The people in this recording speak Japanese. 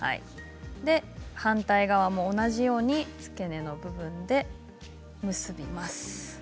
反対側も同じように付け根の部分で結びます。